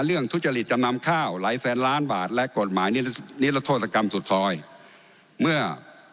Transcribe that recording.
เมื่อธุรกรรมสุดส่อยเมื่อ๒๕๕๖